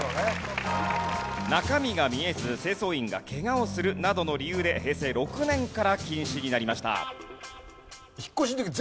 中身が見えず清掃員がケガをするなどの理由で平成６年から禁止になりました。